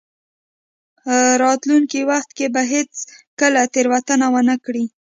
راتلونکي وخت کې به هېڅکله تېروتنه ونه کړئ.